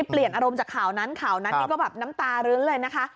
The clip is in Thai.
เปลี่ยนอารมณ์จากข่าวนั้นข่าวนั้นนี่ก็แบบน้ำตารึ้นเลยนะคะ